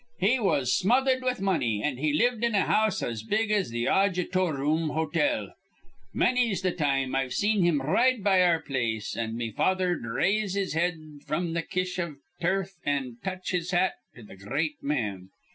He was smothered with money, an' he lived in a house as big as th' Audjitoroom Hotel. Manny's th' time I've seen him ride by our place, an' me father'd raise his head from th' kish iv turf an' touch his hat to th' gr reat man.